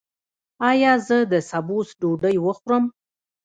ایا زه د سبوس ډوډۍ وخورم؟